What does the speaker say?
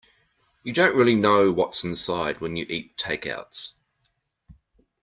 You don't really know what's inside when you eat takeouts.